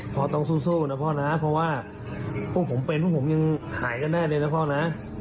พ่อต้องสู้นะพ่อนะเพราะว่าพวกผมเป็นพวกผมยังหายกันแน่เลยนะพ่อนะ